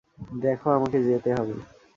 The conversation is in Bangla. দেখো, আমাকে যেতে হবে।